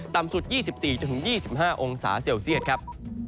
ต่ำสุด๒๔๒๕องศาเซลเซียตครับ